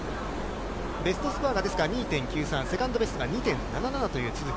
ベストスコアが２．９３、セカンドベストが２．７７という都筑。